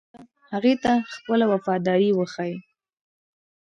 هغه ته خپله وفاداري وښيي.